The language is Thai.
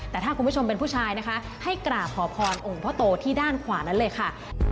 แต่ถ้าคุณผู้ชมเป็นผู้ชายนะคะให้กราบขอพรองค์พ่อโตที่ด้านขวานั้นเลยค่ะ